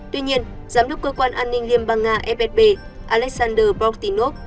tuy nhiên giám đốc cơ quan an ninh liên bang nga fsb alexander bortinov